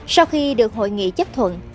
sau khi được hội nghị chấp thuận